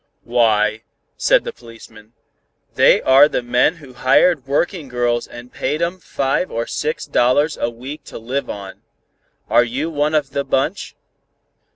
"'Why,' said the policeman, 'they are the men who hired working girls and paid 'em five or six dollars a week to live on. Are you one of the bunch?'